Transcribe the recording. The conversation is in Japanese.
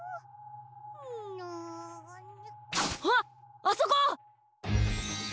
あっあそこ！